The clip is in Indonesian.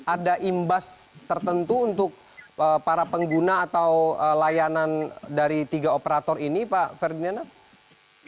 ada imbas tertentu untuk para pengguna atau layanan dari tiga operator ini pak ferdinand